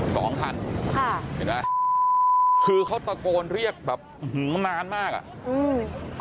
สองคันค่ะคือเขาตะโกนเรียกแบบหื้มนานมากอ่ะอืม